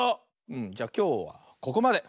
うんじゃきょうここまで。